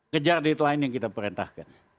kejar deadline yang kita perintahkan